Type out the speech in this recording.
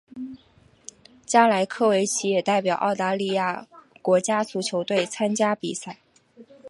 加莱科维奇也代表澳大利亚国家足球队参加比赛。